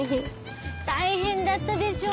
大変だったでしょう？